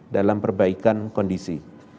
dalam perbaikan kondisi